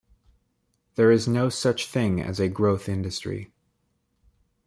There is no such a thing as a growth industry.